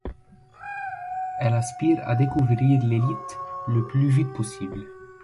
Elle aspire à découvrir l'élite le plus vite possible.